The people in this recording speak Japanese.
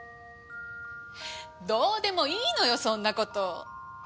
どうでもいいのよそんなこと。